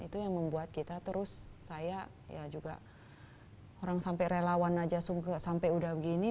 itu yang membuat kita terus saya ya juga orang sampai relawan aja sampai udah begini